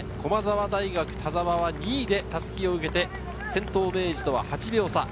・駒澤大学・田澤は２位で襷を受けて先頭・明治とは８秒差。